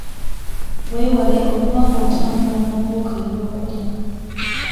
Weewale okuba ng’otambula n’obuuka eby’okulya.